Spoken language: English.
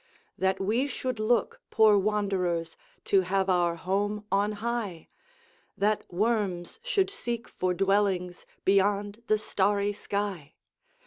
That we should look, poor wanderers, To have our home on high! That worms should seek for dwellings Beyond the starry sky!